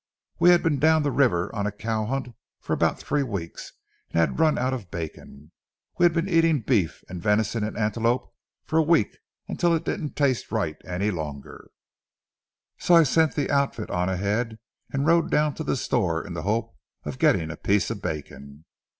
We had been down the river on a cow hunt for about three weeks and had run out of bacon. We had been eating beef, and venison, and antelope for a week until it didn't taste right any longer, so I sent the outfit on ahead and rode down to the store in the hope of getting a piece of bacon.